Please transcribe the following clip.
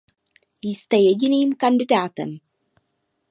Jste jediným kandidátem.